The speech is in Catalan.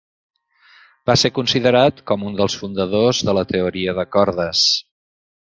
Va ser considerat con un dels fundadors de la teoria de cordes.